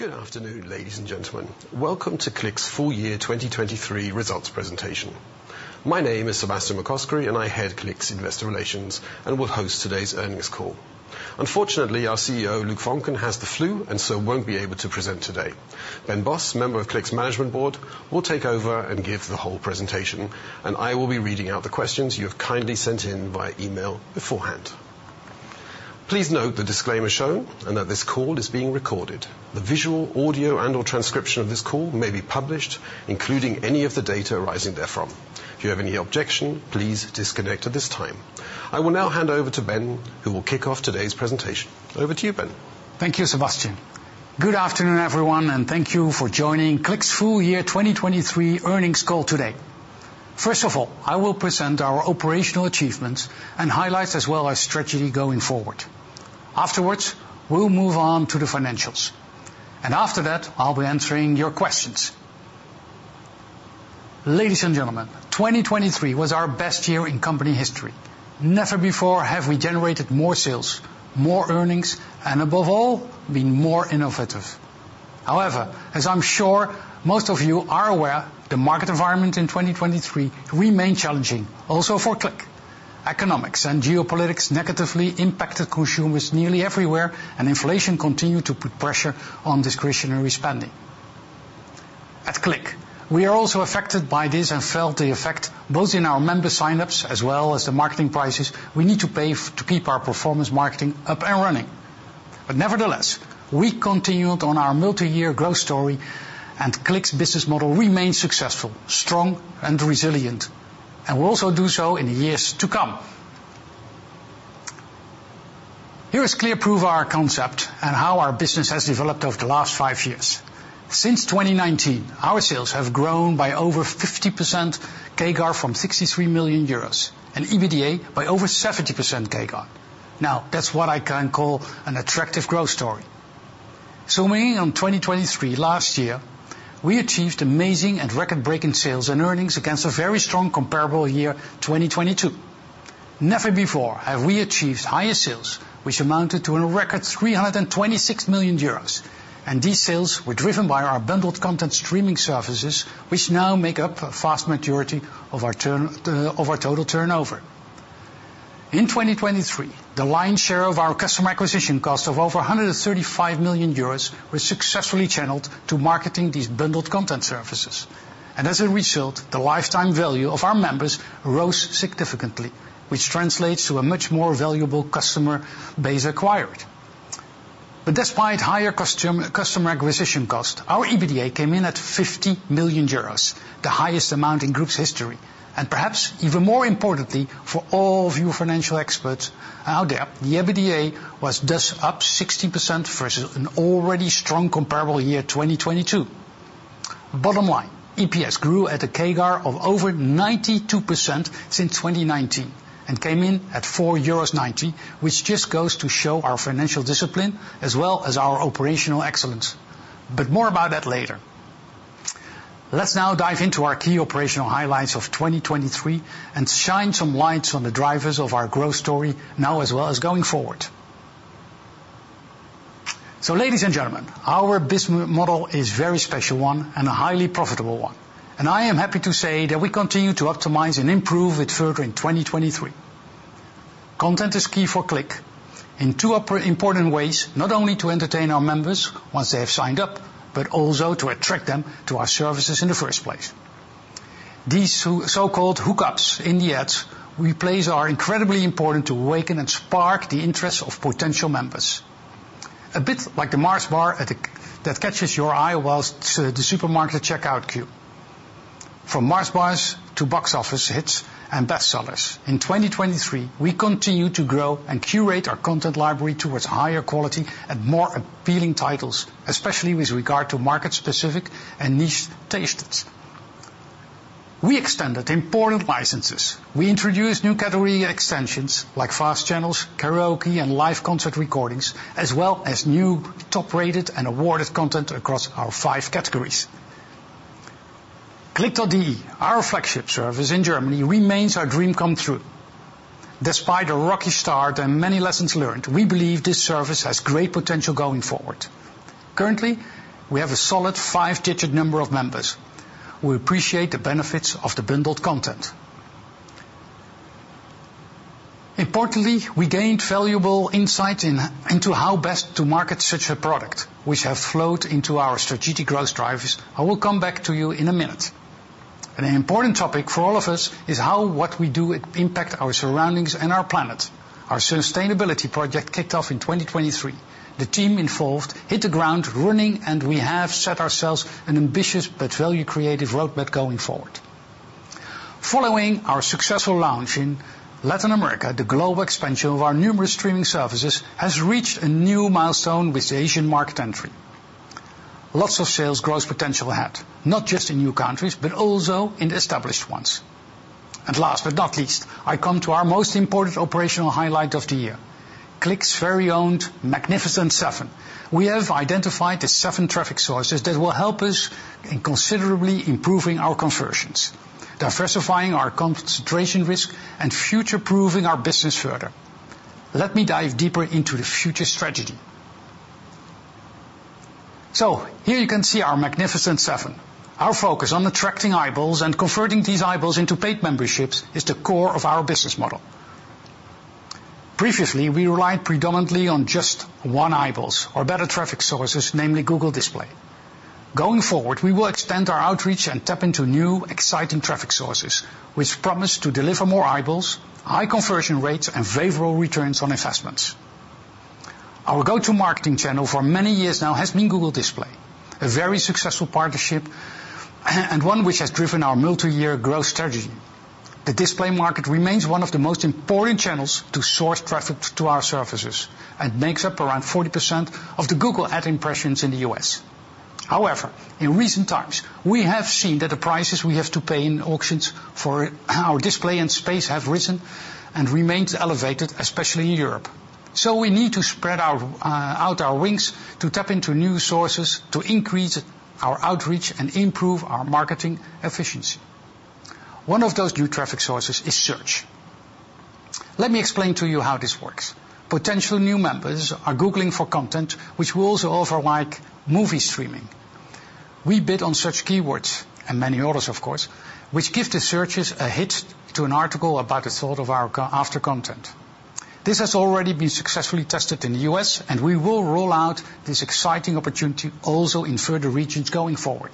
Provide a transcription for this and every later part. Good afternoon, ladies and gentlemen. Welcome to CLIQ's full year 2023 results presentation. My name is Sebastian McCoskrie, and I head CLIQ's investor relations and will host today's earnings call. Unfortunately, our CEO, Luc Voncken, has the flu and so won't be able to present today. Ben Bos, member of CLIQ's management board, will take over and give the whole presentation, and I will be reading out the questions you have kindly sent in via email beforehand. Please note the disclaimer shown and that this call is being recorded. The visual, audio, and/or transcription of this call may be published, including any of the data arising therefrom. If you have any objection, please disconnect at this time. I will now hand over to Ben, who will kick off today's presentation. Over to you, Ben. Thank you, Sebastian. Good afternoon, everyone, and thank you for joining CLIQ's full year 2023 earnings call today. First of all, I will present our operational achievements and highlights as well as strategy going forward. Afterwards, we'll move on to the financials, and after that, I'll be answering your questions. Ladies and gentlemen, 2023 was our best year in company history. Never before have we generated more sales, more earnings, and above all, been more innovative. However, as I'm sure most of you are aware, the market environment in 2023 remained challenging, also for CLIQ. Economics and geopolitics negatively impacted consumers nearly everywhere, and inflation continued to put pressure on discretionary spending. At CLIQ, we are also affected by this and felt the effect both in our member sign-ups as well as the marketing prices we need to pay to keep our performance marketing up and running. But nevertheless, we continued on our multi-year growth story, and CLIQ's business model remained successful, strong, and resilient, and will also do so in the years to come. Here is clear proof of our concept and how our business has developed over the last five years. Since 2019, our sales have grown by over 50% CAGR from 63 million euros, and EBITDA by over 70% CAGR. Now, that's what I can call an attractive growth story. Zooming in on 2023, last year, we achieved amazing and record-breaking sales and earnings against a very strong comparable year, 2022. Never before have we achieved higher sales, which amounted to a record 326 million euros, and these sales were driven by our bundled content streaming services, which now make up a vast majority of our total turnover. In 2023, the lion's share of our customer acquisition cost of over 135 million euros was successfully channeled to marketing these bundled content services, and as a result, the lifetime value of our members rose significantly, which translates to a much more valuable customer base acquired. But despite higher customer acquisition cost, our EBITDA came in at 50 million euros, the highest amount in group's history, and perhaps even more importantly, for all of you financial experts out there, the EBITDA was thus up 60% versus an already strong comparable year, 2022. Bottom line, EPS grew at a CAGR of over 92% since 2019 and came in at 4.90 euros, which just goes to show our financial discipline as well as our operational excellence. But more about that later. Let's now dive into our key operational highlights of 2023 and shine some lights on the drivers of our growth story now as well as going forward. So, ladies and gentlemen, our business model is a very special one and a highly profitable one, and I am happy to say that we continue to optimize and improve it further in 2023. Content is key for CLIQ, in two important ways, not only to entertain our members once they have signed up, but also to attract them to our services in the first place. These so-called hookups in the ads replace our incredibly important to awaken and spark the interest of potential members. A bit like the Mars bar that catches your eye while the supermarket checkout queue. From Mars bars to box office hits and bestsellers, in 2023 we continue to grow and curate our content library towards higher quality and more appealing titles, especially with regard to market-specific and niche tastes. We extended important licenses. We introduced new category extensions like FAST channels, karaoke, and live concert recordings, as well as new top-rated and awarded content across our five categories. CLIQ.de, our flagship service in Germany, remains our dream come true. Despite a rocky start and many lessons learned, we believe this service has great potential going forward. Currently, we have a solid five-digit number of members. We appreciate the benefits of the bundled content. Importantly, we gained valuable insights into how best to market such a product, which have flowed into our strategic growth drivers, I will come back to you in a minute. An important topic for all of us is how what we do impacts our surroundings and our planet. Our sustainability project kicked off in 2023. The team involved hit the ground running, and we have set ourselves an ambitious but value-creative roadmap going forward. Following our successful launch in Latin America, the global expansion of our numerous streaming services has reached a new milestone with the Asian market entry. Lots of sales growth potential ahead, not just in new countries but also in the established ones. And last but not least, I come to our most important operational highlight of the year: CLIQ's very own Magnificent Seven. We have identified the seven traffic sources that will help us in considerably improving our conversions, diversifying our concentration risk, and future-proofing our business further. Let me dive deeper into the future strategy. So, here you can see our Magnificent Seven. Our focus on attracting eyeballs and converting these eyeballs into paid memberships is the core of our business model. Previously, we relied predominantly on just one eyeball, or better traffic sources, namely Google Display. Going forward, we will extend our outreach and tap into new, exciting traffic sources, which promise to deliver more eyeballs, high conversion rates, and favorable returns on investments. Our go-to marketing channel for many years now has been Google Display, a very successful partnership and one which has driven our multi-year growth strategy. The display market remains one of the most important channels to source traffic to our services and makes up around 40% of the Google ad impressions in the U.S. However, in recent times, we have seen that the prices we have to pay in auctions for our display and space have risen and remained elevated, especially in Europe. So, we need to spread out our wings to tap into new sources, to increase our outreach, and improve our marketing efficiency. One of those new traffic sources is search. Let me explain to you how this works. Potential new members are Googling for content which will also offer like movie streaming. We bid on search keywords and many others, of course, which give the searches a hit to an article about the thought of our bundled content. This has already been successfully tested in the U.S., and we will roll out this exciting opportunity also in further regions going forward.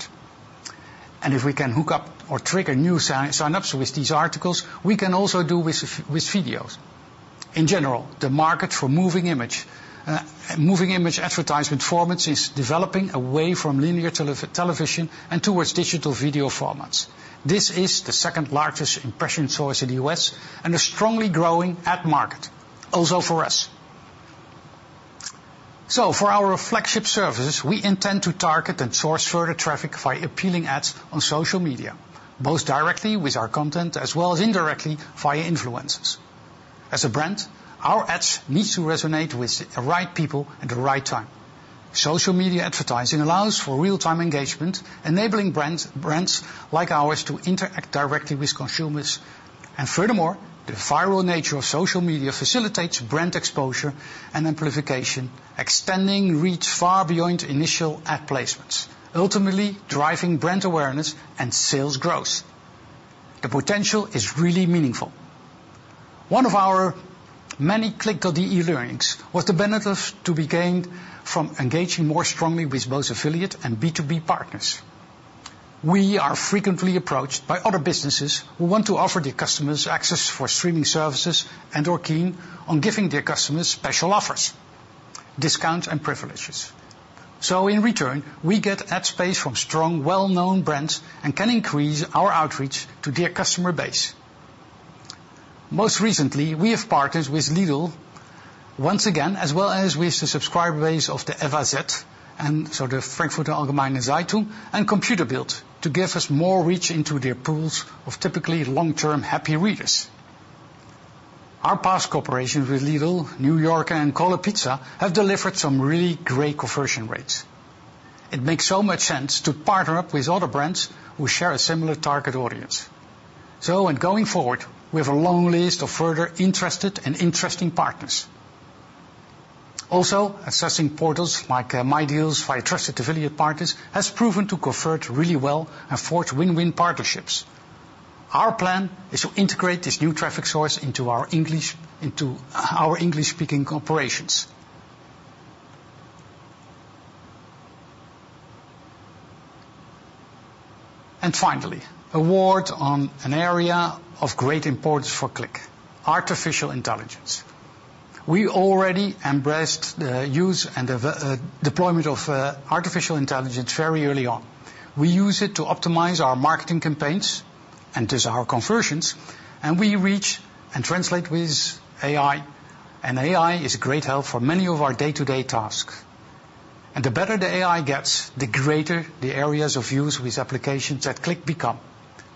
And if we can hook up or trigger new sign-ups with these articles, we can also do with videos. In general, the market for moving image advertisement formats is developing away from linear television and towards digital video formats. This is the second largest impression source in the U.S. and a strongly growing ad market, also for us. So, for our flagship services, we intend to target and source further traffic via appealing ads on social media, both directly with our content as well as indirectly via influencers. As a brand, our ads need to resonate with the right people at the right time. Social media advertising allows for real-time engagement, enabling brands like ours to interact directly with consumers. And furthermore, the viral nature of social media facilitates brand exposure and amplification, extending reach far beyond initial ad placements, ultimately driving brand awareness and sales growth. The potential is really meaningful. One of our many CLIQ.de learnings was the benefits to be gained from engaging more strongly with both affiliate and B2B partners. We are frequently approached by other businesses who want to offer their customers access for streaming services and/or keen on giving their customers special offers, discounts, and privileges. So, in return, we get ad space from strong, well-known brands and can increase our outreach to their customer base. Most recently, we have partnered with Lidl once again, as well as with the subscriber base of the FAZ, and so the Frankfurter Allgemeine Zeitung, and Computer Bild to give us more reach into their pools of typically long-term happy readers. Our past cooperations with Lidl, New York, and Call a Pizza have delivered some really great conversion rates. It makes so much sense to partner up with other brands who share a similar target audience. So, and going forward, we have a long list of further interested and interesting partners. Also, assessing portals like MyDealz via trusted affiliate partners has proven to convert really well and forge win-win partnerships. Our plan is to integrate this new traffic source into our English-speaking operations. And finally, a word on an area of great importance for CLIQ: artificial intelligence. We already embraced the use and deployment of artificial intelligence very early on. We use it to optimize our marketing campaigns and thus our conversions, and we reach and translate with AI, and AI is a great help for many of our day-to-day tasks. And the better the AI gets, the greater the areas of use with applications that CLIQ become.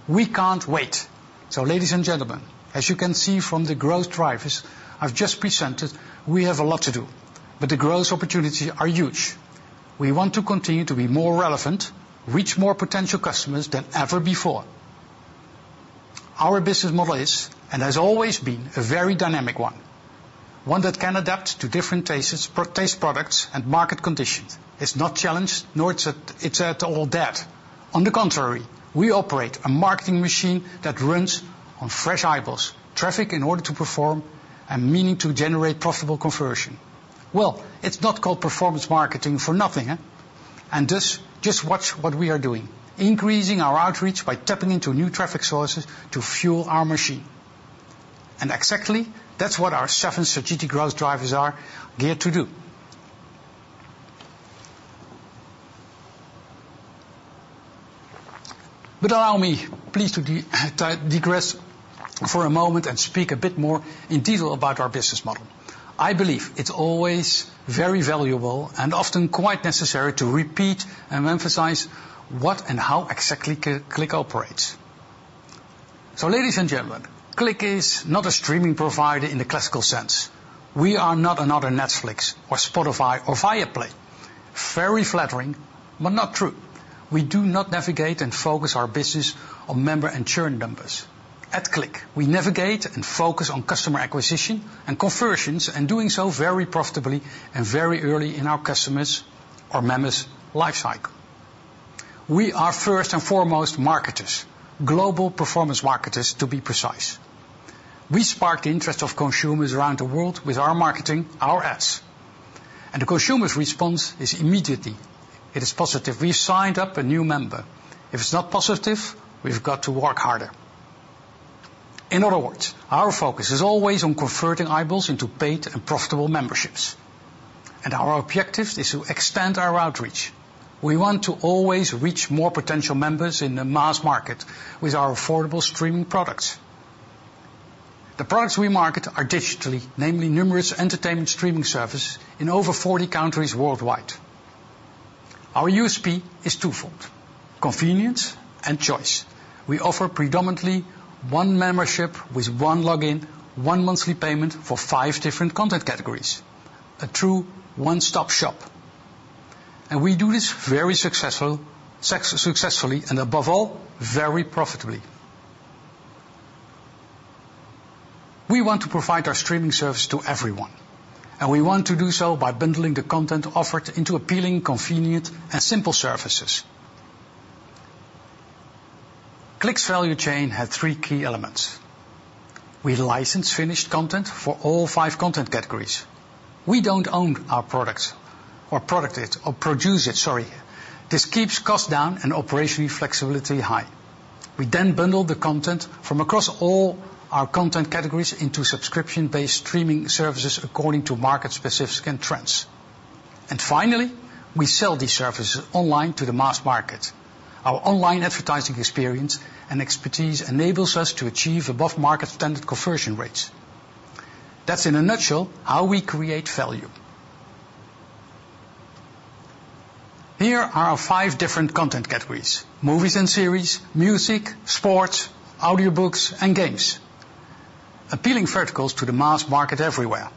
We can't wait. So, ladies and gentlemen, as you can see from the growth drivers I've just presented, we have a lot to do, but the growth opportunities are huge. We want to continue to be more relevant, reach more potential customers than ever before. Our business model is, and has always been, a very dynamic one. One that can adapt to different taste products and market conditions. It's not challenged, nor is it at all dead. On the contrary, we operate a marketing machine that runs on fresh eyeballs, traffic in order to perform, and meaning to generate profitable conversion. Well, it's not called performance marketing for nothing, huh? And thus, just watch what we are doing: increasing our outreach by tapping into new traffic sources to fuel our machine. And exactly that's what our seven strategic growth drivers are geared to do. But allow me please to digress for a moment and speak a bit more in detail about our business model. I believe it's always very valuable and often quite necessary to repeat and emphasize what and how exactly CLIQ operates. So, ladies and gentlemen, CLIQ is not a streaming provider in the classical sense. We are not another Netflix or Spotify or Viaplay. Very flattering, but not true. We do not navigate and focus our business on member and churn numbers. At CLIQ, we navigate and focus on customer acquisition and conversions, and doing so very profitably and very early in our customers' or members' lifecycle. We are first and foremost marketers, global performance marketers to be precise. We spark the interest of consumers around the world with our marketing, our ads. And the consumer's response is immediately: it is positive, we've signed up a new member. If it's not positive, we've got to work harder. In other words, our focus is always on converting eyeballs into paid and profitable memberships. Our objective is to extend our outreach. We want to always reach more potential members in the mass market with our affordable streaming products. The products we market are digitally, namely numerous entertainment streaming services in over 40 countries worldwide. Our USP is twofold: convenience and choice. We offer predominantly one membership with one login, one monthly payment for five different content categories. A true one-stop shop. We do this very successfully, and above all, very profitably. We want to provide our streaming service to everyone. We want to do so by bundling the content offered into appealing, convenient, and simple services. CLIQ's value chain has three key elements. We license finished content for all five content categories. We don't own our products, or product it, or produce it, sorry. This keeps costs down and operational flexibility high. We then bundle the content from across all our content categories into subscription-based streaming services according to market specifics and trends. And finally, we sell these services online to the mass market. Our online advertising experience and expertise enables us to achieve above-market standard conversion rates. That's in a nutshell how we create value. Here are our five different content categories: movies and series, music, sports, audiobooks, and games. Appealing verticals to the mass market everywhere.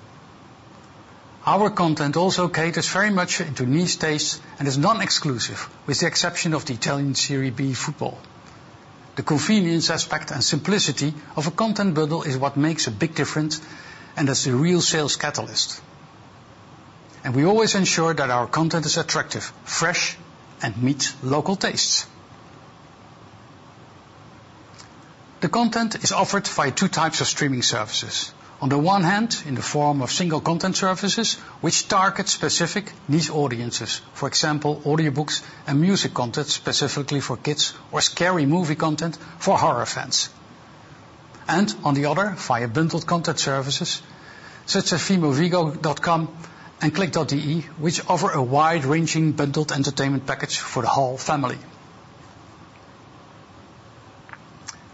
Our content also caters very much into niche tastes and is non-exclusive, with the exception of the Italian Serie B football. The convenience aspect and simplicity of a content bundle is what makes a big difference and is the real sales catalyst. And we always ensure that our content is attractive, fresh, and meets local tastes. The content is offered via two types of streaming services. On the one hand, in the form of single content services which target specific niche audiences, for example, audiobooks and music content specifically for kids or scary movie content for horror fans. And on the other, via bundled content services such as Femovigo.com and CLIQ.de, which offer a wide-ranging bundled entertainment package for the whole family.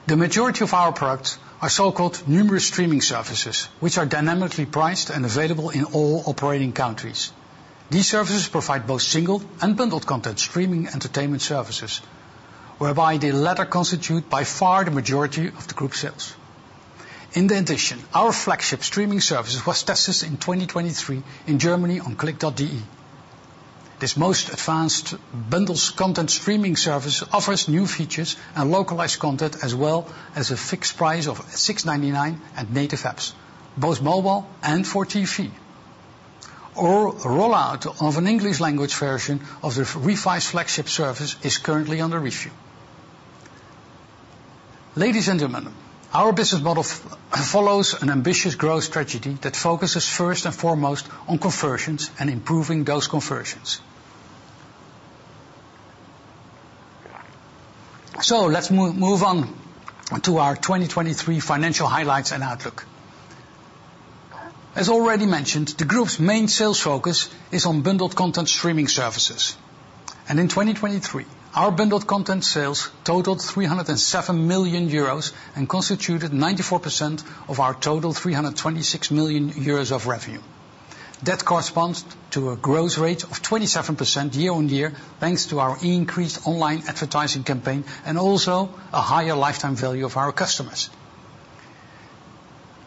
The majority of our products are so-called numerous streaming services which are dynamically priced and available in all operating countries. These services provide both single and bundled content streaming entertainment services, whereby the latter constitute by far the majority of the group sales. In addition, our flagship streaming service was tested in 2023 in Germany on CLIQ.de. This most advanced bundled content streaming service offers new features and localized content as well as a fixed price of 6.99 and native apps, both mobile and for TV. A rollout of an English-language version of the revised flagship service is currently under review. Ladies and gentlemen, our business model follows an ambitious growth strategy that focuses first and foremost on conversions and improving those conversions. So, let's move on to our 2023 financial highlights and outlook. As already mentioned, the group's main sales focus is on bundled content streaming services. In 2023, our bundled content sales totaled 307 million euros and constituted 94% of our total 326 million euros of revenue. That corresponds to a growth rate of 27% year on year thanks to our increased online advertising campaign and also a higher lifetime value of our customers.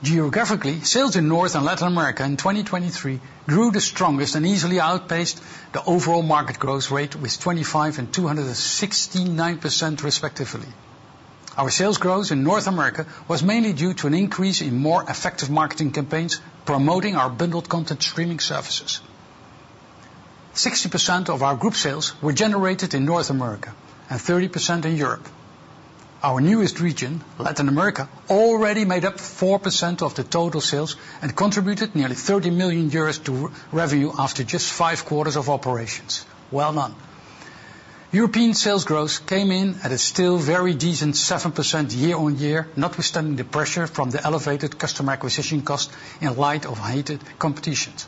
Geographically, sales in North and Latin America in 2023 grew the strongest and easily outpaced the overall market growth rate with 25% and 269% respectively. Our sales growth in North America was mainly due to an increase in more effective marketing campaigns promoting our bundled content streaming services. 60% of our group sales were generated in North America and 30% in Europe. Our newest region, Latin America, already made up 4% of the total sales and contributed nearly 30 million euros to revenue after just five quarters of operations. Well done. European sales growth came in at a still very decent 7% year-on-year, notwithstanding the pressure from the elevated customer acquisition costs in light of heated competitions.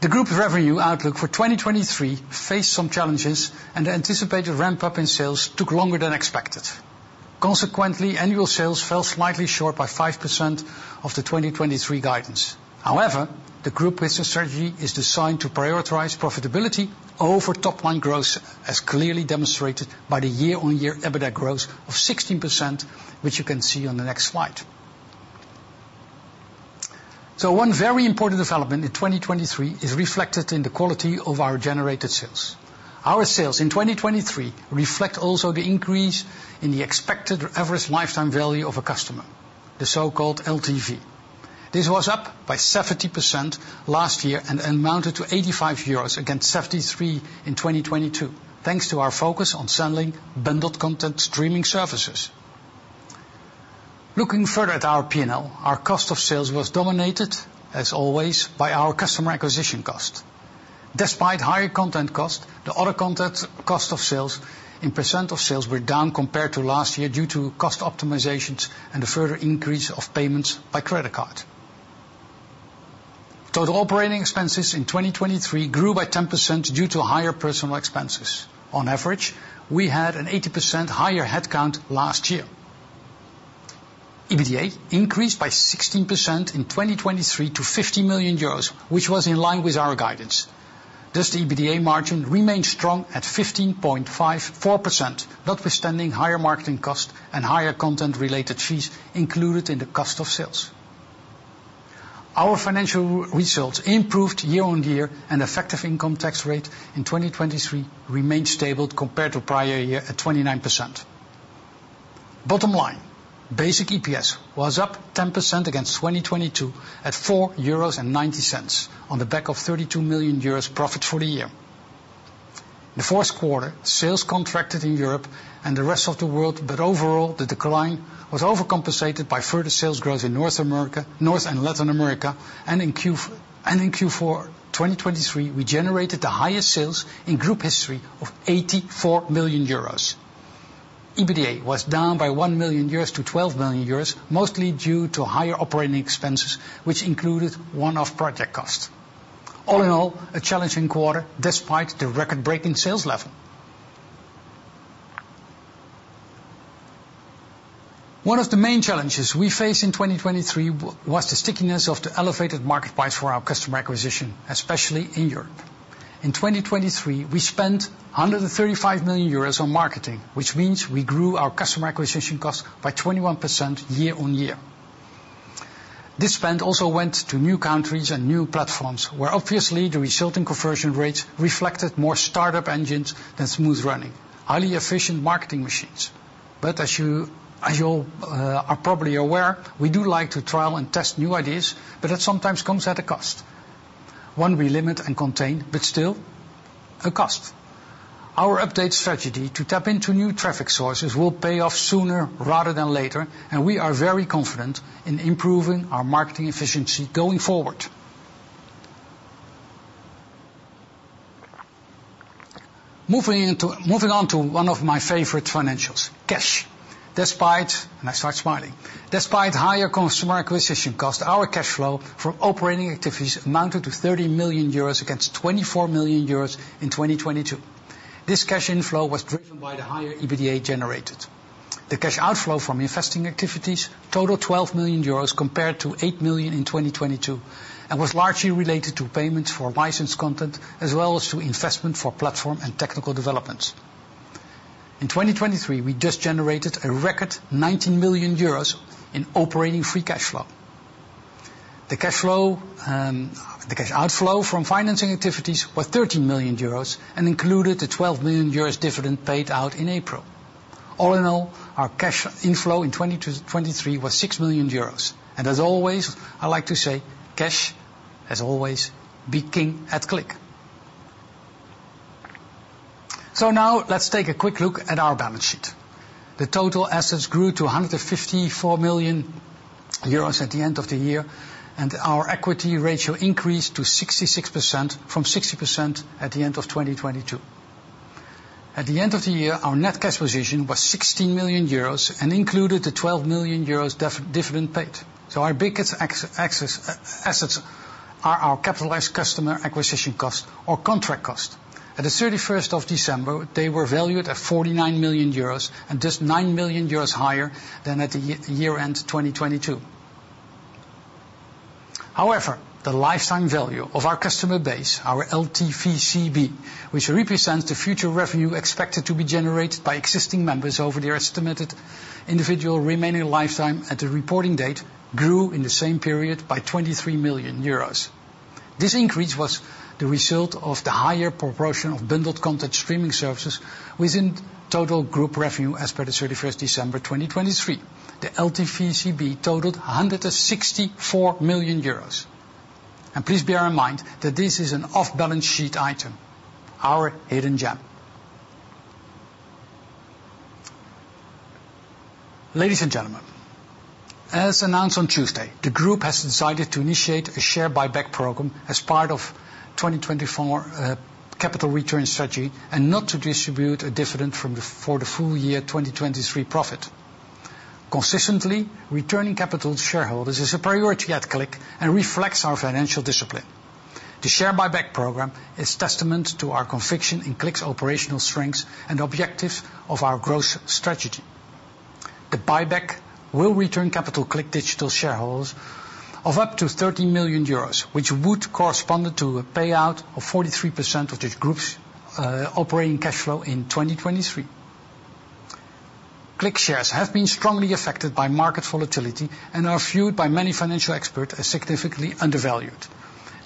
The group's revenue outlook for 2023 faced some challenges, and the anticipated ramp-up in sales took longer than expected. Consequently, annual sales fell slightly short by 5% of the 2023 guidance. However, the group's strategy is designed to prioritize profitability over top-line growth, as clearly demonstrated by the year-on-year EBITDA growth of 16%, which you can see on the next slide. So, one very important development in 2023 is reflected in the quality of our generated sales. Our sales in 2023 reflect also the increase in the expected average lifetime value of a customer, the so-called LTV. This was up by 70% last year and amounted to 85 euros against 73 in 2022, thanks to our focus on selling bundled content streaming services. Looking further at our P&L, our cost of sales was dominated, as always, by our customer acquisition cost. Despite higher content costs, the other content cost of sales in percent of sales were down compared to last year due to cost optimizations and the further increase of payments by credit card. Total operating expenses in 2023 grew by 10% due to higher personal expenses. On average, we had an 80% higher headcount last year. EBITDA increased by 16% in 2023 to 50 million euros, which was in line with our guidance. Thus, the EBITDA margin remained strong at 15.54%, notwithstanding higher marketing costs and higher content-related fees included in the cost of sales. Our financial results improved year-on-year, and the effective income tax rate in 2023 remained stable compared to prior year at 29%. Bottom line: Basic EPS was up 10% against 2022 at 4.90 euros, on the back of 32 million euros profit for the year. In the fourth quarter, sales contracted in Europe and the rest of the world, but overall the decline was overcompensated by further sales growth in North America, North and Latin America, and in Q4 2023 we generated the highest sales in group history of 84 million euros. EBITDA was down by 1 million euros to 12 million euros, mostly due to higher operating expenses, which included one-off project costs. All in all, a challenging quarter despite the record-breaking sales level. One of the main challenges we faced in 2023 was the stickiness of the elevated market price for our customer acquisition, especially in Europe. In 2023, we spent 135 million euros on marketing, which means we grew our customer acquisition costs by 21% year-on-year. This spend also went to new countries and new platforms, where obviously the resulting conversion rates reflected more startup engines than smooth running, highly efficient marketing machines. But as you all are probably aware, we do like to trial and test new ideas, but that sometimes comes at a cost. One we limit and contain, but still a cost. Our update strategy to tap into new traffic sources will pay off sooner rather than later, and we are very confident in improving our marketing efficiency going forward. Moving on to one of my favorite financials: cash. Despite, and I start smiling, despite higher customer acquisition costs, our cash flow from operating activities amounted to 30 million euros against 24 million euros in 2022. This cash inflow was driven by the higher EBITDA generated. The cash outflow from investing activities totaled 12 million euros compared to 8 million in 2022 and was largely related to payments for licensed content as well as to investment for platform and technical developments. In 2023, we just generated a record 19 million euros in operating free cash flow. The cash flow, the cash outflow from financing activities was 13 million euros and included the 12 million euros dividend paid out in April. All in all, our cash inflow in 2023 was 6 million euros. And as always, I like to say: cash has always been king at CLIQ. So now let's take a quick look at our balance sheet. The total assets grew to 154 million euros at the end of the year, and our equity ratio increased to 66% from 60% at the end of 2022. At the end of the year, our net cash position was 16 million euros and included the 12 million euros dividend paid. So our biggest assets are our capitalized customer acquisition costs or contract costs. At the 31st of December, they were valued at 49 million euros, and just 9 million euros higher than at the year-end 2022. However, the lifetime value of our customer base, our LTVCB, which represents the future revenue expected to be generated by existing members over their estimated individual remaining lifetime at the reporting date, grew in the same period by 23 million euros. This increase was the result of the higher proportion of bundled content streaming services within total group revenue as per the 31st December 2023. The LTVCB totaled 164 million euros. And please bear in mind that this is an off-balance sheet item. Our hidden gem. Ladies and gentlemen, as announced on Tuesday, the group has decided to initiate a share buyback program as part of 2024 capital return strategy and not to distribute a dividend for the full year 2023 profit. Consistently, returning capital to shareholders is a priority at CLIQ and reflects our financial discipline. The share buyback program is testament to our conviction in CLIQ's operational strengths and objectives of our growth strategy. The buyback will return capital to CLIQ Digital's shareholders of up to 30 million euros, which would correspond to a payout of 43% of the group's operating cash flow in 2023. CLIQ shares have been strongly affected by market volatility and are viewed by many financial experts as significantly undervalued.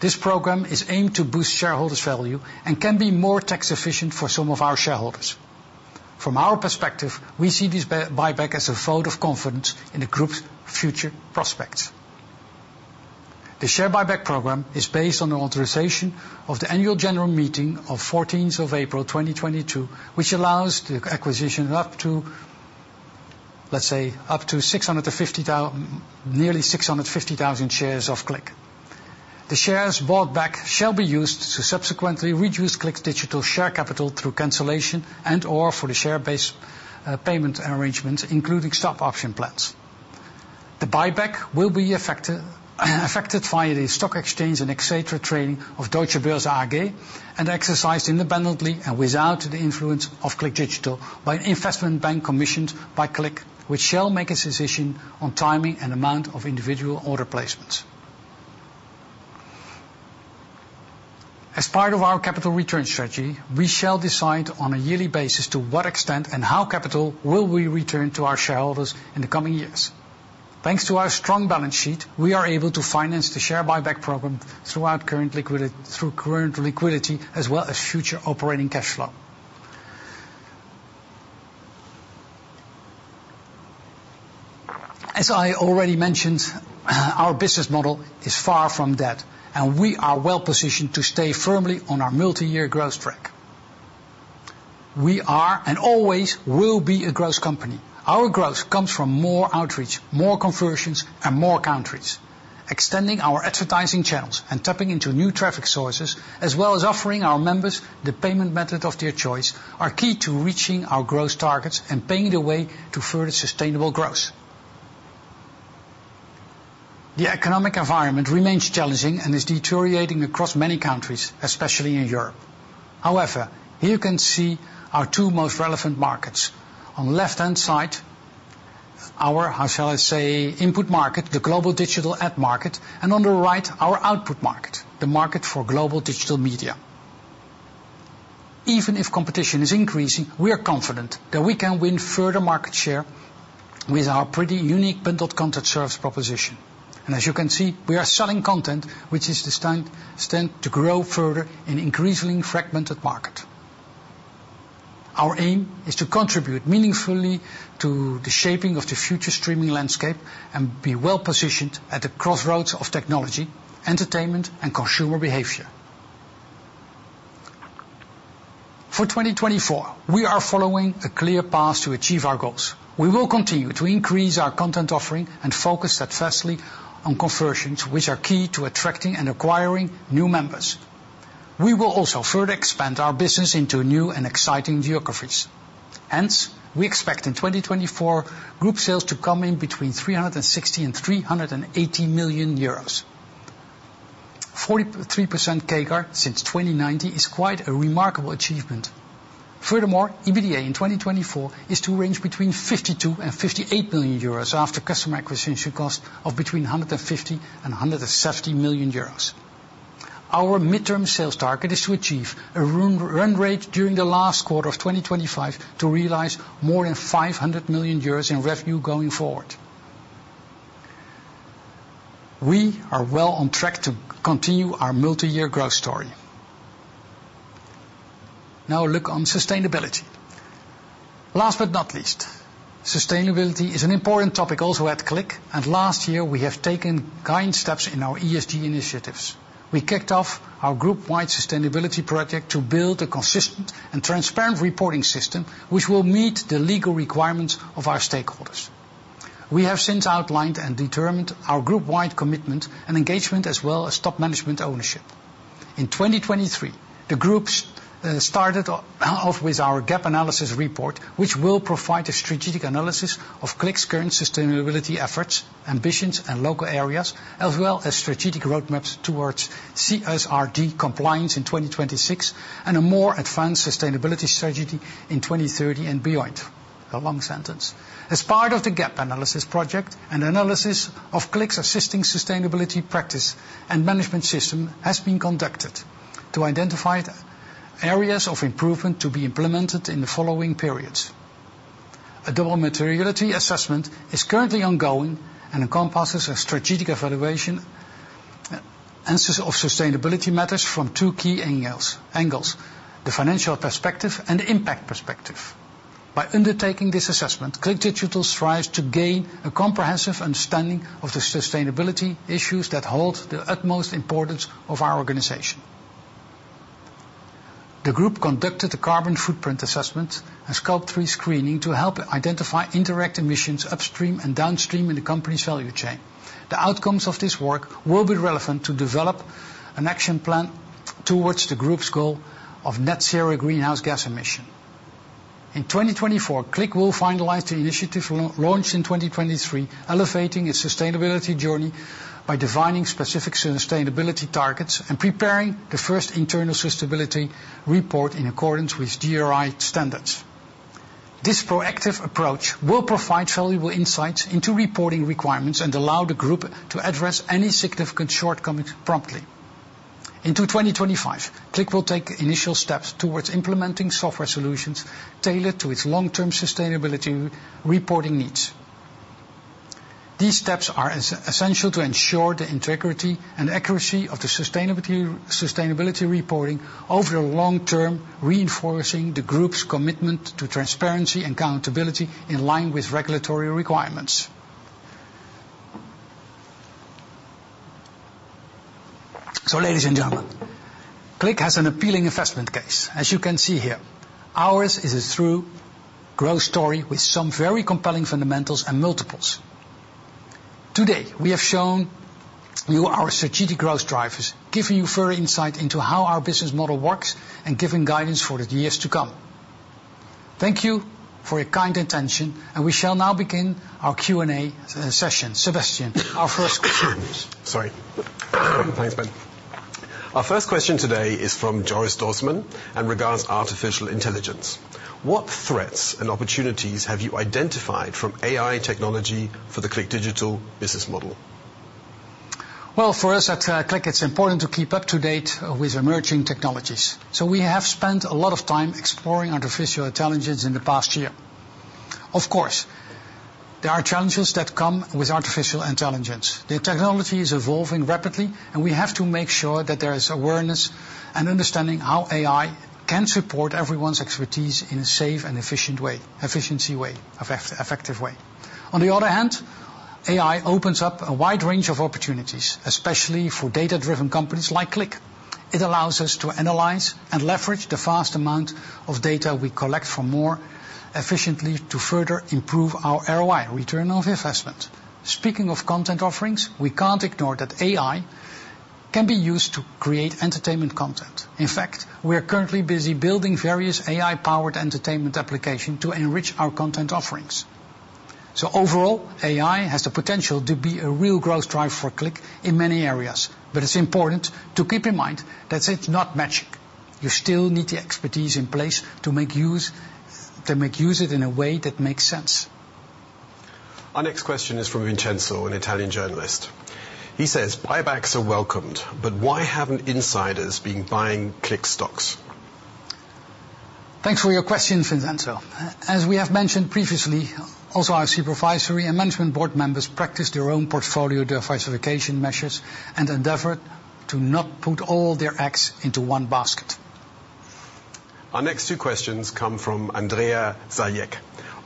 This program is aimed to boost shareholders' value and can be more tax efficient for some of our shareholders. From our perspective, we see this buyback as a vote of confidence in the group's future prospects. The share buyback program is based on the authorization of the annual general meeting of April 14th, 2022, which allows the acquisition of up to, let's say, up to 650,000-nearly 650,000-shares of CLIQ. The shares bought back shall be used to subsequently reduce CLIQ Digital's share capital through cancellation and/or for the share-based payment arrangements, including stock-option plans. The buyback will be effected via the stock exchange and exchange trading of Deutsche Börse AG and exercised independently and without the influence of CLIQ Digital by an investment bank commissioned by CLIQ, which shall make a decision on timing and amount of individual order placements. As part of our capital return strategy, we shall decide on a yearly basis to what extent and how capital will be returned to our shareholders in the coming years. Thanks to our strong balance sheet, we are able to finance the share buyback program throughout current liquidity as well as future operating cash flow. As I already mentioned, our business model is far from dead, and we are well positioned to stay firmly on our multi-year growth track. We are and always will be a growth company. Our growth comes from more outreach, more conversions, and more countries. Extending our advertising channels and tapping into new traffic sources, as well as offering our members the payment method of their choice, are key to reaching our growth targets and paving the way to further sustainable growth. The economic environment remains challenging and is deteriorating across many countries, especially in Europe. However, here you can see our two most relevant markets. On the left-hand side, our, how shall I say, input market, the global digital ad market, and on the right, our output market, the market for global digital media. Even if competition is increasing, we are confident that we can win further market share with our pretty unique bundled content service proposition. As you can see, we are selling content which is destined to grow further in an increasingly fragmented market. Our aim is to contribute meaningfully to the shaping of the future streaming landscape and be well positioned at the crossroads of technology, entertainment, and consumer behavior. For 2024, we are following a clear path to achieve our goals. We will continue to increase our content offering and focus at first on conversions, which are key to attracting and acquiring new members. We will also further expand our business into new and exciting geographies. Hence, we expect in 2024 group sales to come in between 360 million and 380 million euros. 43% CAGR since 2019 is quite a remarkable achievement. Furthermore, EBITDA in 2024 is to range between 52 million and 58 million euros after customer acquisition costs of between 150 million euros and 170 million euros. Our mid-term sales target is to achieve a run rate during the last quarter of 2025 to realize more than 500 million euros in revenue going forward. We are well on track to continue our multi-year growth story. Now a look on sustainability. Last but not least, sustainability is an important topic also at CLIQ, and last year we have taken kind steps in our ESG initiatives. We kicked off our group-wide sustainability project to build a consistent and transparent reporting system which will meet the legal requirements of our stakeholders. We have since outlined and determined our group-wide commitment and engagement, as well as top management ownership. In 2023, the group started off with our gap analysis report, which will provide a strategic analysis of CLIQ's current sustainability efforts, ambitions, and local areas, as well as strategic roadmaps towards CSRD compliance in 2026 and a more advanced sustainability strategy in 2030 and beyond. As part of the gap analysis project, an analysis of CLIQ's existing sustainability practice and management system has been conducted to identify areas of improvement to be implemented in the following periods. A double materiality assessment is currently ongoing and encompasses a strategic evaluation of sustainability matters from two key angles: the financial perspective and the impact perspective. By undertaking this assessment, CLIQ Digital strives to gain a comprehensive understanding of the sustainability issues that hold the utmost importance of our organization. The group conducted a carbon footprint assessment and Scope 3 screening to help identify indirect emissions upstream and downstream in the company's value chain. The outcomes of this work will be relevant to develop an action plan towards the group's goal of Net Zero greenhouse gas emissions. In 2024, CLIQ will finalize the initiative launched in 2023, elevating its sustainability journey by defining specific sustainability targets and preparing the first internal sustainability report in accordance with GRI Standards. This proactive approach will provide valuable insights into reporting requirements and allow the group to address any significant shortcomings promptly. In 2025, CLIQ will take initial steps towards implementing software solutions tailored to its long-term sustainability reporting needs. These steps are essential to ensure the integrity and accuracy of the sustainability reporting over the long term, reinforcing the group's commitment to transparency and accountability in line with regulatory requirements. So, ladies and gentlemen, CLIQ has an appealing investment case, as you can see here. Ours is a true growth story with some very compelling fundamentals and multiples. Today, we have shown you our strategic growth drivers, giving you further insight into how our business model works and giving guidance for the years to come. Thank you for your kind attention, and we shall now begin our Q&A session. Sebastian, our first question. Sorry. Thanks, Ben. Our first question today is from Joris Dorsman and regards artificial intelligence. What threats and opportunities have you identified from AI technology for the CLIQ Digital business model? Well, for us at CLIQ, it's important to keep up to date with emerging technologies. So we have spent a lot of time exploring artificial intelligence in the past year. Of course, there are challenges that come with artificial intelligence. The technology is evolving rapidly, and we have to make sure that there is awareness and understanding how AI can support everyone's expertise in a safe, efficient, and effective way. On the other hand, AI opens up a wide range of opportunities, especially for data-driven companies like CLIQ. It allows us to analyze and leverage the vast amount of data we collect from more efficiently to further improve our ROI, return on investment. Speaking of content offerings, we can't ignore that AI can be used to create entertainment content. In fact, we are currently busy building various AI-powered entertainment applications to enrich our content offerings. Overall, AI has the potential to be a real growth drive for CLIQ in many areas, but it's important to keep in mind that it's not magic. You still need the expertise in place to make use of it in a way that makes sense. Our next question is from Vincenzo, an Italian journalist. He says, "Buybacks are welcomed, but why haven't insiders been buying CLIQ stocks? Thanks for your question, Vincenzo. As we have mentioned previously, also our supervisory and management board members practice their own portfolio, their diversification measures, and endeavor to not put all their eggs into one basket. Our next two questions come from Andrea Zajec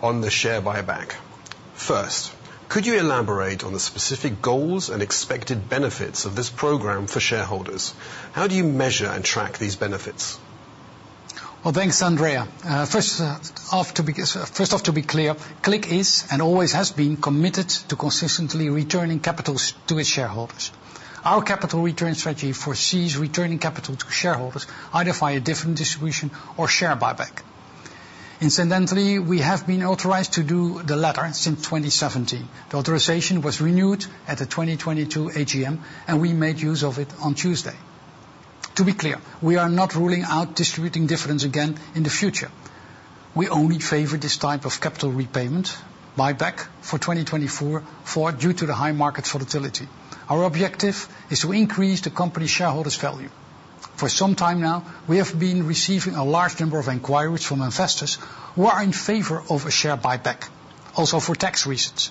on the share buyback. First, could you elaborate on the specific goals and expected benefits of this program for shareholders? How do you measure and track these benefits? Well, thanks, Andrea. First off, to be clear, CLIQ is and always has been committed to consistently returning capital to its shareholders. Our capital return strategy foresees returning capital to shareholders either via dividend distribution or share buyback. Incidentally, we have been authorized to do the latter since 2017. The authorization was renewed at the 2022 AGM, and we made use of it on Tuesday. To be clear, we are not ruling out distributing dividends again in the future. We only favor this type of capital repayment, buyback, for 2024 due to the high market volatility. Our objective is to increase the company's shareholders' value. For some time now, we have been receiving a large number of inquiries from investors who are in favor of a share buyback, also for tax reasons.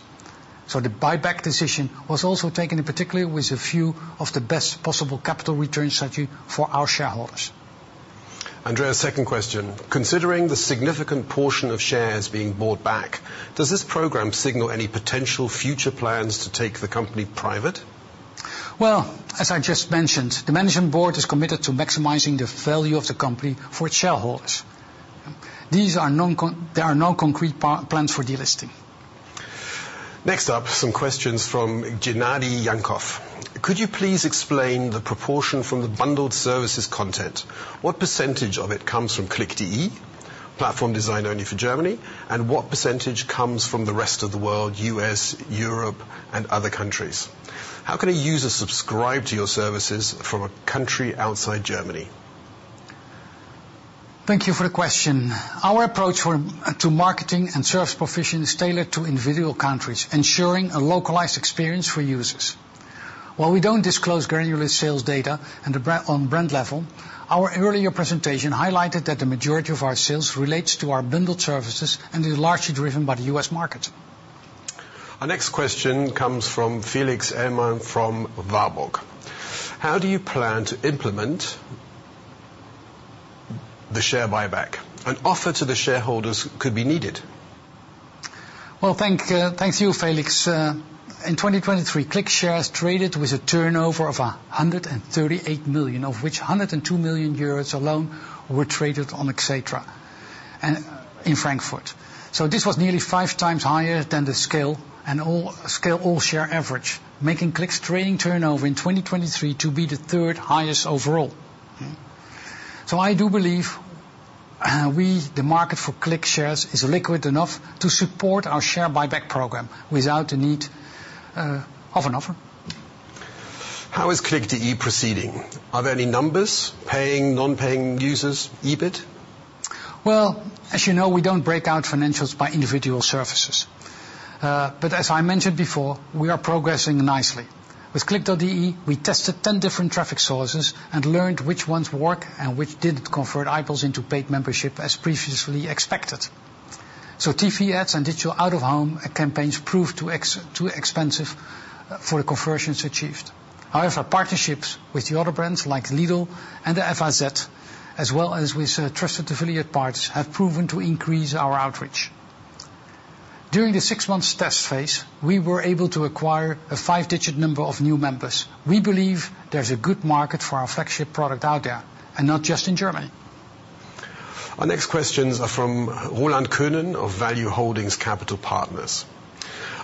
The buyback decision was also taken in particular with a view of the best possible capital return strategy for our shareholders. Andrea, second question. Considering the significant portion of shares being bought back, does this program signal any potential future plans to take the company private? Well, as I just mentioned, the Management Board is committed to maximizing the value of the company for its shareholders. There are no concrete plans for delisting. Next up, some questions from Gennady Yankov. Could you please explain the proportion from the bundled services content? What percentage of it comes from CLIQ.de, platform designed only for Germany, and what percentage comes from the rest of the world, U.S., Europe, and other countries? How can a user subscribe to your services from a country outside Germany? Thank you for the question. Our approach to marketing and service provision is tailored to individual countries, ensuring a localized experience for users. While we don't disclose granular sales data on brand level, our earlier presentation highlighted that the majority of our sales relates to our bundled services and is largely driven by the U.S. market. Our next question comes from Felix Ellmann from Warburg. How do you plan to implement the share buyback? An offer to the shareholders could be needed. Well, thanks to you, Felix. In 2023, CLIQ shares traded with a turnover of 138 million, of which 102 million euros alone were traded on Xetra in Frankfurt. So this was nearly five times higher than the Scale All-Share average, making CLIQ's trading turnover in 2023 to be the third highest overall. So I do believe we, the market for CLIQ shares, is liquid enough to support our share buyback program without the need of an offer. How is CLIQ.de proceeding? Are there any numbers, paying, non-paying users, EBIT? Well, as you know, we don't break out financials by individual services. As I mentioned before, we are progressing nicely. With CLIQ.de, we tested 10 different traffic sources and learned which ones work and which didn't convert eyeballs into paid membership as previously expected. TV ads and digital out-of-home campaigns proved too expensive for the conversions achieved. However, partnerships with the other brands like Lidl and the FAZ, as well as with trusted affiliate partners, have proven to increase our outreach. During the six-month test phase, we were able to acquire a five-digit number of new members. We believe there's a good market for our flagship product out there, and not just in Germany. Our next questions are from Roland Könen of Value Holdings Capital Partners.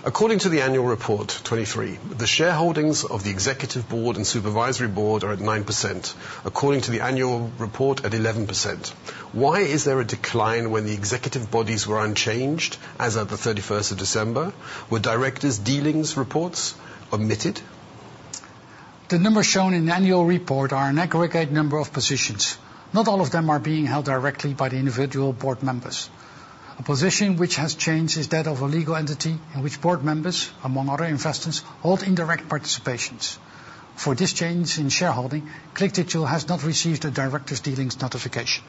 According to the annual report, 2023, the shareholdings of the executive board and supervisory board are at 9%, according to the annual report at 11%. Why is there a decline when the executive bodies were unchanged as of the 31st of December? Were directors' dealings reports omitted? The numbers shown in the annual report are an aggregate number of positions. Not all of them are being held directly by the individual board members. A position which has changed is that of a legal entity in which board members, among other investors, hold indirect participations. For this change in shareholding, CLIQ Digital has not received a directors' dealings notification.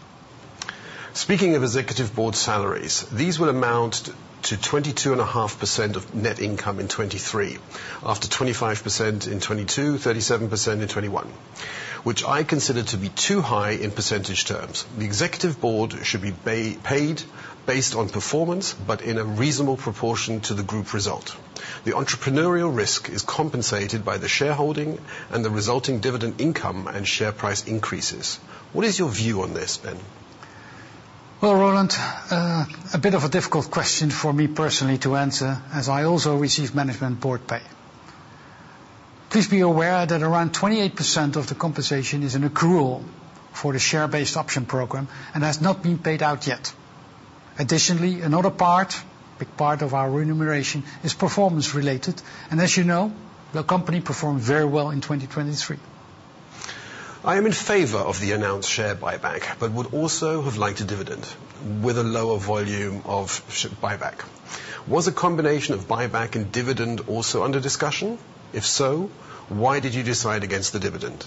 Speaking of executive board salaries, these will amount to 22.5% of net income in 2023, after 25% in 2022, 37% in 2021, which I consider to be too high in percentage terms. The executive board should be paid based on performance, but in a reasonable proportion to the group result. The entrepreneurial risk is compensated by the shareholding and the resulting dividend income and share price increases. What is your view on this, Ben? Well, Roland, a bit of a difficult question for me personally to answer, as I also receive management board pay. Please be aware that around 28% of the compensation is an accrual for the share-based option program and has not been paid out yet. Additionally, another part, a big part of our remuneration, is performance-related, and as you know, the company performed very well in 2023. I am in favor of the announced share buyback, but would also have liked a dividend with a lower volume of buyback. Was a combination of buyback and dividend also under discussion? If so, why did you decide against the dividend?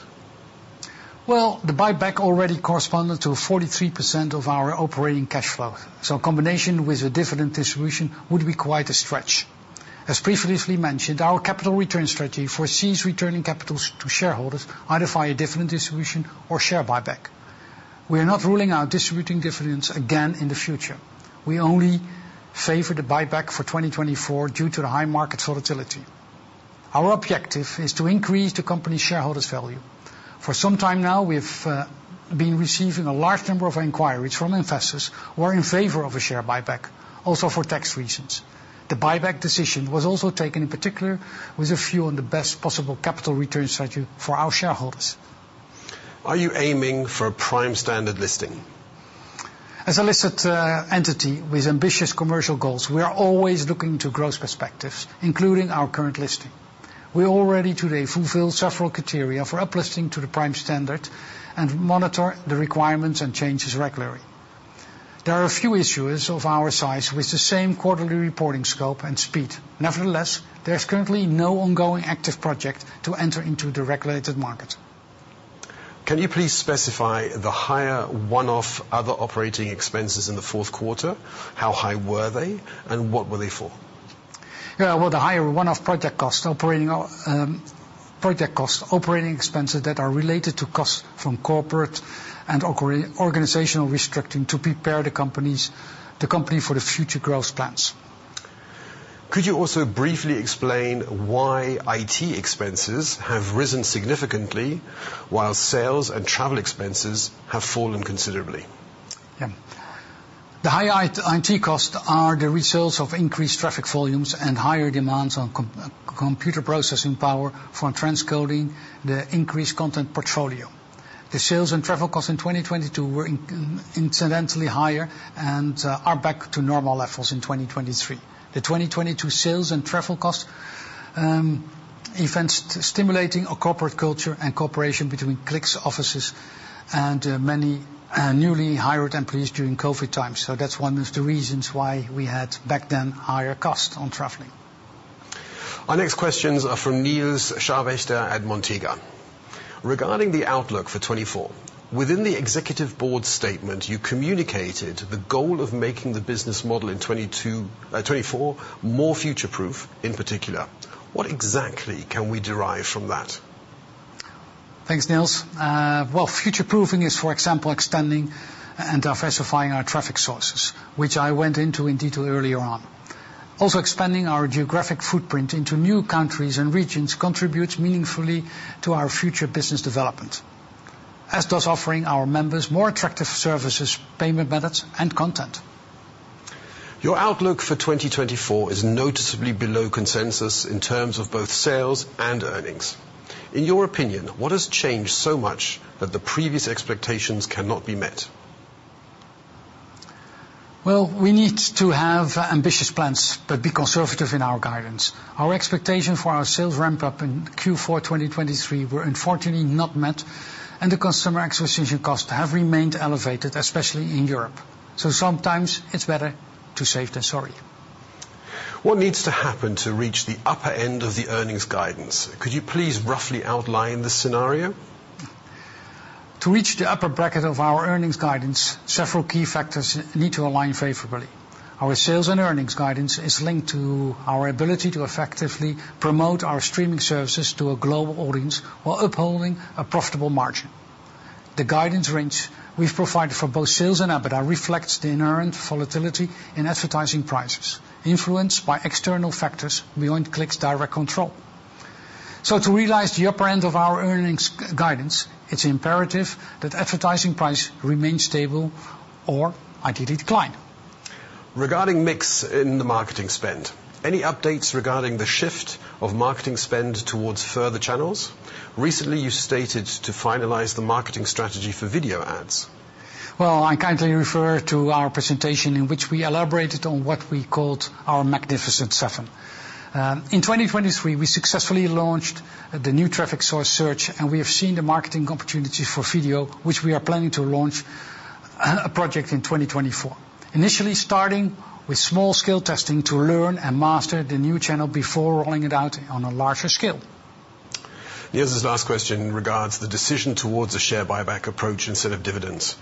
Well, the buyback already corresponded to 43% of our operating cash flow. So a combination with a dividend distribution would be quite a stretch. As previously mentioned, our capital return strategy foresees returning capital to shareholders either via dividend distribution or share buyback. We are not ruling out distributing dividends again in the future. We only favor the buyback for 2024 due to the high market volatility. Our objective is to increase the company's shareholders' value. For some time now, we have been receiving a large number of inquiries from investors who are in favor of a share buyback, also for tax reasons. The buyback decision was also taken in particular with a view on the best possible capital return strategy for our shareholders. Are you aiming for Prime Standard listing? As a listed entity with ambitious commercial goals, we are always looking to growth perspectives, including our current listing. We already today fulfill several criteria for uplisting to the Prime Standard and monitor the requirements and changes regularly. There are a few issuers of our size with the same quarterly reporting scope and speed. Nevertheless, there's currently no ongoing active project to enter into the regulated market. Can you please specify the higher one-off other operating expenses in the fourth quarter? How high were they, and what were they for? Yeah, well, the higher one-off project costs, operating expenses that are related to costs from corporate and organizational restructuring to prepare the company for the future growth plans. Could you also briefly explain why IT expenses have risen significantly while sales and travel expenses have fallen considerably? Yeah. The high IT costs are the results of increased traffic volumes and higher demands on computer processing power for transcoding, the increased content portfolio. The sales and travel costs in 2022 were incidentally higher and are back to normal levels in 2023. The 2022 sales and travel costs events stimulating a corporate culture and cooperation between CLIQ's offices and many newly hired employees during COVID times. So that's one of the reasons why we had back then higher costs on traveling. Our next questions are from Nils Scharwächter at Montega. Regarding the outlook for 2024, within the executive board statement, you communicated the goal of making the business model in 2022, 2024 more future-proof in particular. What exactly can we derive from that? Thanks, Nils. Well, future-proofing is, for example, extending and diversifying our traffic sources, which I went into in detail earlier on. Also, expanding our geographic footprint into new countries and regions contributes meaningfully to our future business development, as does offering our members more attractive services, payment methods, and content. Your outlook for 2024 is noticeably below consensus in terms of both sales and earnings. In your opinion, what has changed so much that the previous expectations cannot be met? Well, we need to have ambitious plans but be conservative in our guidance. Our expectation for our sales ramp-up in Q4 2023 were unfortunately not met, and the customer acquisition costs have remained elevated, especially in Europe. So sometimes it's better to save than sorry. What needs to happen to reach the upper end of the earnings guidance? Could you please roughly outline the scenario? To reach the upper bracket of our earnings guidance, several key factors need to align favorably. Our sales and earnings guidance is linked to our ability to effectively promote our streaming services to a global audience while upholding a profitable margin. The guidance range we've provided for both sales and EBITDA reflects the inherent volatility in advertising prices influenced by external factors beyond CLIQ's direct control. To realize the upper end of our earnings guidance, it's imperative that advertising price remains stable or ideally decline. Regarding mix in the marketing spend, any updates regarding the shift of marketing spend towards further channels? Recently, you stated to finalize the marketing strategy for video ads. Well, I kindly refer to our presentation in which we elaborated on what we called our Magnificent Seven. In 2023, we successfully launched the new traffic source search, and we have seen the marketing opportunities for video, which we are planning to launch a project in 2024, initially starting with small-scale testing to learn and master the new channel before rolling it out on a larger scale. Nils, this last question regards the decision towards a share buyback approach instead of dividends.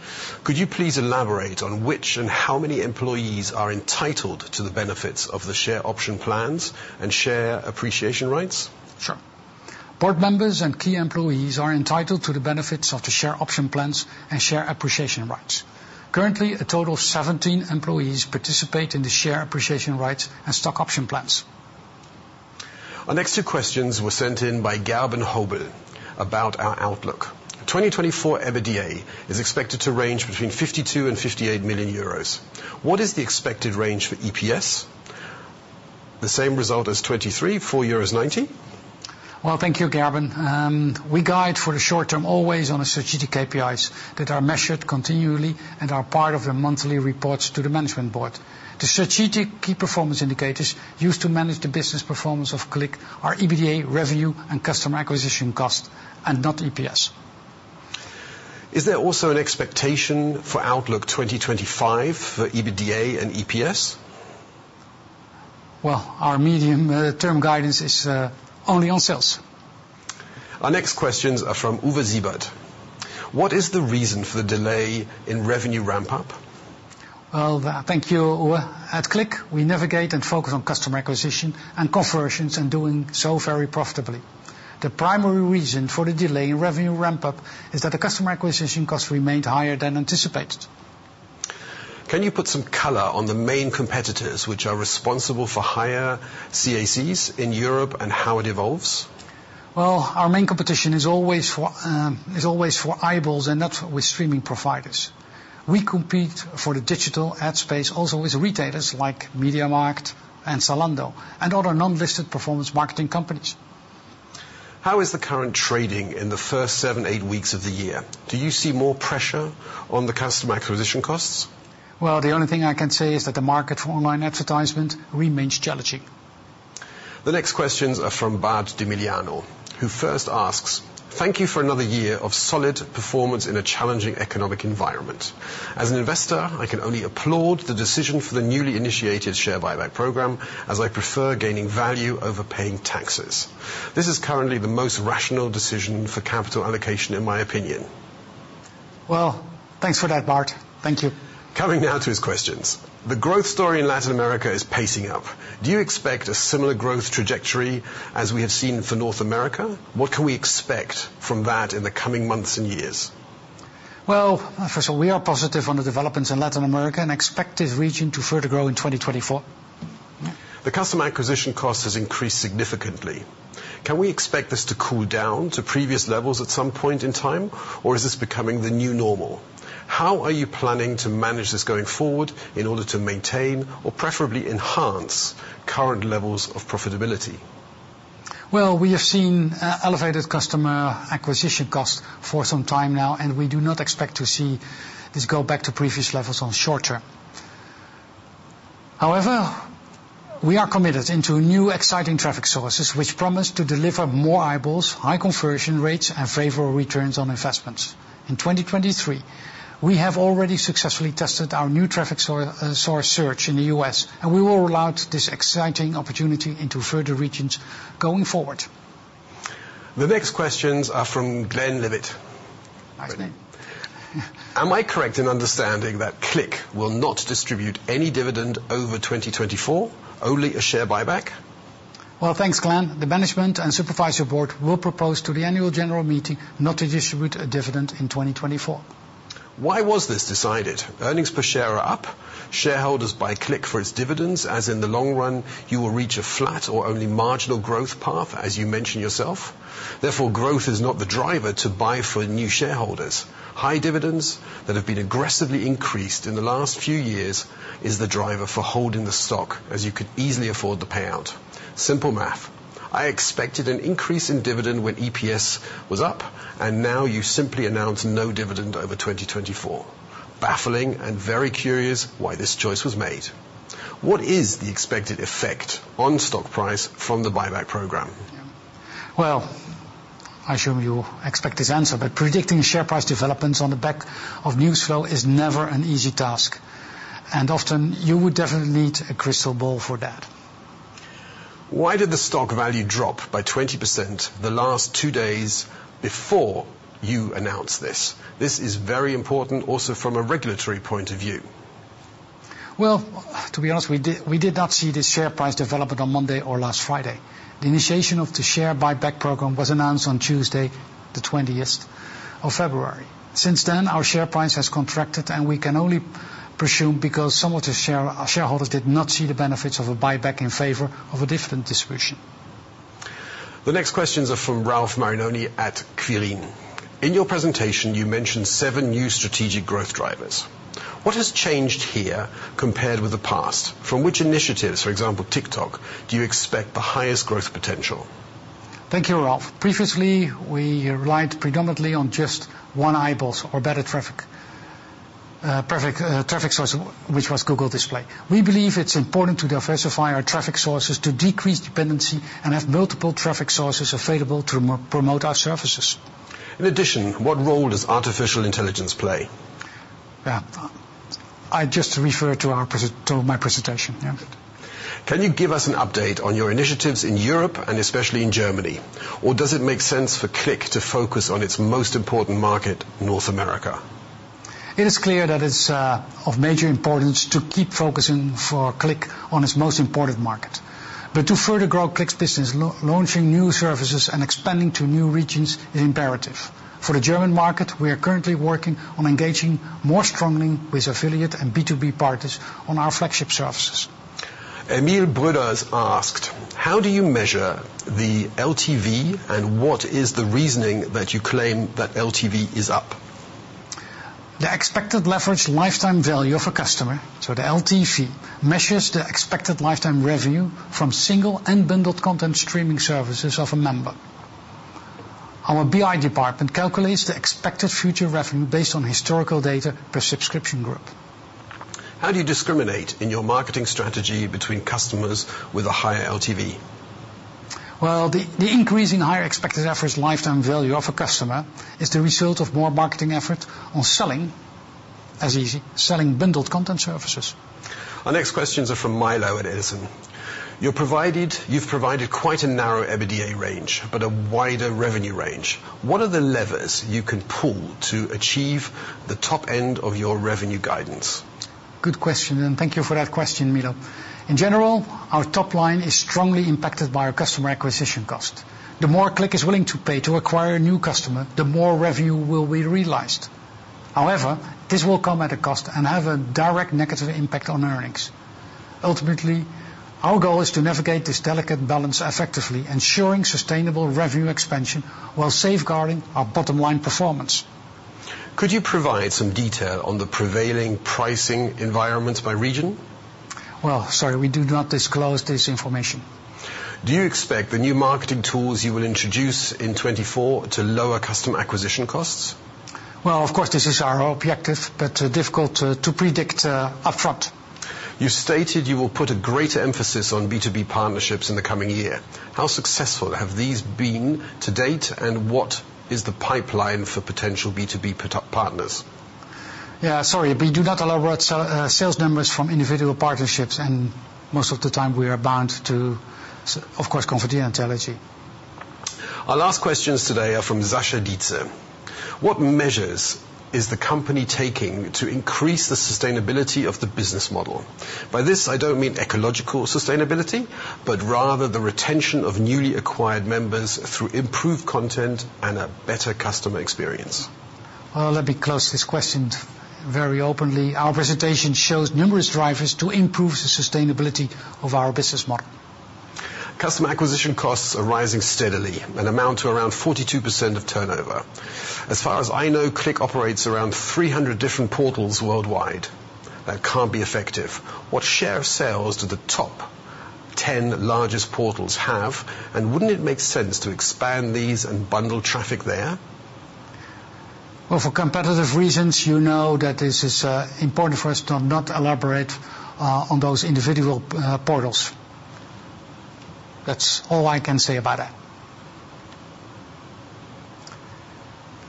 Could you please elaborate on which and how many employees are entitled to the benefits of the share option plans and share appreciation rights? Sure. Board members and key employees are entitled to the benefits of the share option plans and share appreciation rights. Currently, a total of 17 employees participate in the share appreciation rights and stock option plans. Our next two questions were sent in by Garbin Hobel about our outlook. 2024 EBITDA is expected to range between 52 million and 58 million euros. What is the expected range for EPS? The same result as 2023, 4.90? Well, thank you, Garbin. We guide for the short term always on the strategic KPIs that are measured continually and are part of the monthly reports to the management board. The strategic key performance indicators used to manage the business performance of Cliq are EBITDA, revenue, and customer acquisition costs, and not EPS. Is there also an expectation for outlook 2025 for EBITDA and EPS? Well, our medium-term guidance is only on sales. Our next questions are from Uwe Siebert. What is the reason for the delay in revenue ramp-up? Well, thank you, Uwe. At CLIQ, we navigate and focus on customer acquisition and conversions and doing so very profitably. The primary reason for the delay in revenue ramp-up is that the customer acquisition costs remained higher than anticipated. Can you put some color on the main competitors which are responsible for higher CACs in Europe and how it evolves? Well, our main competition is always for eyeballs and not with streaming providers. We compete for the digital ad space also with retailers like MediaMarkt and Zalando and other non-listed performance marketing companies. How is the current trading in the first 7-8 weeks of the year? Do you see more pressure on the customer acquisition costs? Well, the only thing I can say is that the market for online advertisement remains challenging. The next questions are from Bart de Miliano, who first asks, "Thank you for another year of solid performance in a challenging economic environment. As an investor, I can only applaud the decision for the newly initiated share buyback program as I prefer gaining value over paying taxes. This is currently the most rational decision for capital allocation in my opinion. Well, thanks for that, Bart. Thank you. Coming now to his questions. The growth story in Latin America is picking up. Do you expect a similar growth trajectory as we have seen for North America? What can we expect from that in the coming months and years? Well, first of all, we are positive on the developments in Latin America and expect this region to further grow in 2024. The customer acquisition costs have increased significantly. Can we expect this to cool down to previous levels at some point in time, or is this becoming the new normal? How are you planning to manage this going forward in order to maintain or preferably enhance current levels of profitability? Well, we have seen elevated customer acquisition costs for some time now, and we do not expect to see this go back to previous levels in the short term. However, we are committed to new exciting traffic sources which promise to deliver more eyeballs, high conversion rates, and favorable returns on investments. In 2023, we have already successfully tested our new traffic source search in the U.S., and we will roll out this exciting opportunity into further regions going forward. The next questions are from Glen Libbit. Nice name. Am I correct in understanding that CLIQ will not distribute any dividend over 2024, only a share buyback? Well, thanks, Glen. The management and supervisory board will propose to the annual general meeting not to distribute a dividend in 2024. Why was this decided? Earnings per share are up. Shareholders buy CLIQ for its dividends, as in the long run, you will reach a flat or only marginal growth path, as you mention yourself. Therefore, growth is not the driver to buy for new shareholders. High dividends that have been aggressively increased in the last few years is the driver for holding the stock as you could easily afford the payout. Simple math. I expected an increase in dividend when EPS was up, and now you simply announce no dividend over 2024. Baffling and very curious why this choice was made. What is the expected effect on stock price from the buyback program? Yeah. Well, I assume you expect this answer, but predicting share price developments on the back of news flow is never an easy task. Often, you would definitely need a crystal ball for that. Why did the stock value drop by 20% the last two days before you announced this? This is very important also from a regulatory point of view. Well, to be honest, we did not see this share price development on Monday or last Friday. The initiation of the share buyback program was announced on Tuesday, the twentieth of February. Since then, our share price has contracted, and we can only presume because some of the shareholders did not see the benefits of a buyback in favor of a different distribution. The next questions are from Ralf Marinoni at Quirin. In your presentation, you mentioned seven new strategic growth drivers. What has changed here compared with the past? From which initiatives, for example, TikTok, do you expect the highest growth potential? Thank you, Ralf. Previously, we relied predominantly on just one eyeball or better traffic source, which was Google Display. We believe it's important to diversify our traffic sources to decrease dependency and have multiple traffic sources available to promote our services. In addition, what role does artificial intelligence play? Yeah. I just referred to my presentation, yeah. Can you give us an update on your initiatives in Europe and especially in Germany, or does it make sense for CLIQ to focus on its most important market, North America? It is clear that it's of major importance to keep focusing for CLIQ on its most important market. But to further grow CLIQ's business, launching new services and expanding to new regions is imperative. For the German market, we are currently working on engaging more strongly with affiliate and B2B parties on our flagship services. Emil Brüders asked, "How do you measure the LTV, and what is the reasoning that you claim that LTV is up? The expected average lifetime value of a customer, so the LTV, measures the expected lifetime revenue from single and bundled content streaming services of a member. Our BI department calculates the expected future revenue based on historical data per subscription group. How do you discriminate in your marketing strategy between customers with a higher LTV? Well, the increasing higher expected average lifetime value of a customer is the result of more marketing effort on selling as easy, selling bundled content services. Our next questions are from Milo at Edison. You've provided quite a narrow EBITDA range but a wider revenue range. What are the levers you can pull to achieve the top end of your revenue guidance? Good question, and thank you for that question, Milo. In general, our top line is strongly impacted by our customer acquisition cost. The more CLIQ is willing to pay to acquire a new customer, the more revenue will be realized. However, this will come at a cost and have a direct negative impact on earnings. Ultimately, our goal is to navigate this delicate balance effectively, ensuring sustainable revenue expansion while safeguarding our bottom line performance. Could you provide some detail on the prevailing pricing environment by region? Well, sorry, we do not disclose this information. Do you expect the new marketing tools you will introduce in 2024 to lower customer acquisition costs? Well, of course, this is our objective, but difficult to predict upfront. You stated you will put a greater emphasis on B2B partnerships in the coming year. How successful have these been to date, and what is the pipeline for potential B2B partners? Yeah, sorry, we do not elaborate sales numbers from individual partnerships, and most of the time we are bound to, of course, confidentiality. Our last questions today are from Sascha Dietze. "What measures is the company taking to increase the sustainability of the business model?" By this, I don't mean ecological sustainability, but rather the retention of newly acquired members through improved content and a better customer experience. Well, let me close this question very openly. Our presentation shows numerous drivers to improve the sustainability of our business model. Customer acquisition costs are rising steadily, and amount to around 42% of turnover. As far as I know, CLIQ operates around 300 different portals worldwide. That can't be effective. What share of sales do the top 10 largest portals have, and wouldn't it make sense to expand these and bundle traffic there? Well, for competitive reasons, you know that this is important for us to not elaborate on those individual portals. That's all I can say about that.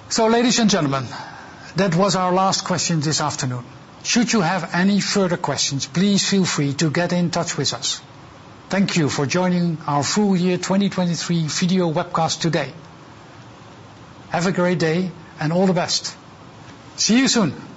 So, ladies and gentlemen, that was our last question this afternoon. Should you have any further questions, please feel free to get in touch with us. Thank you for joining our full year 2023 video webcast today. Have a great day, and all the best. See you soon.